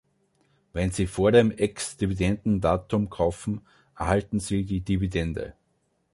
Wenn Sie vor dem Ex-Dividendendatum kaufen, erhalten Sie die Dividende.